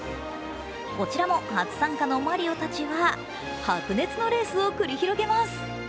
こちらも初参加のマリオたちは白熱のレースを繰り広げます。